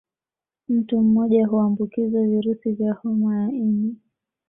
Mtu mmoja huambukizwa virusi vya homa ya ini